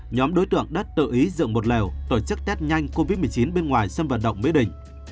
nhóm đối tượng đã tự ý dựng một lèo tổ chức test nhanh covid một mươi chín bên ngoài sân vận động mỹ đình